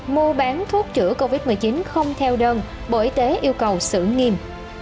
mua bán thuốc chữa covid một mươi chín không theo đơn bộ y tế yêu cầu xử nghiêm